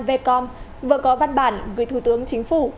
vừa có văn bản gửi thủ tướng chính phủ